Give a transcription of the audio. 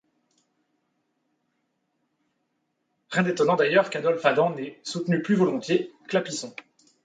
Rien d'étonnant d'ailleurs qu’Adolphe Adam n’ait soutenu plus volontiers Clapisson.